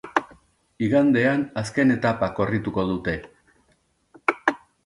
Igandean azken etapa korrituko dute.